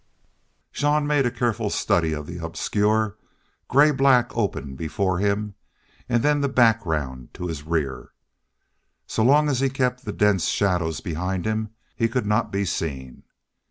Jean made a careful study of the obscure, gray black open before him and then the background to his rear. So long as he kept the dense shadows behind him he could not be seen.